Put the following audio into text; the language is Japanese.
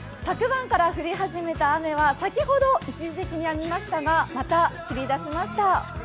昨晩から降り始めた雨は先ほど降りやみましたがまた降りだしました。